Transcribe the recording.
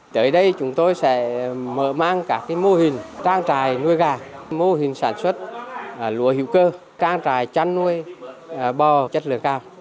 tới đây chúng tôi sẽ mở mang các mô hình trang trại nuôi gà mô hình sản xuất lúa hữu cơ trang trại chăn nuôi bò chất lượng cao